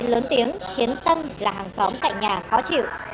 bô xe lớn tiếng khiến tâm là hàng xóm cạnh nhà khó chịu